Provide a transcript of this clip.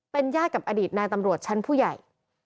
เป็นญาติกับอดีตนายตำรวจชั้นผู้ใหญ่